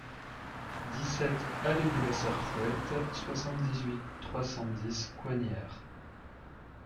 dix-sept allée de la Serfouette, soixante-dix-huit, trois cent dix, Coignières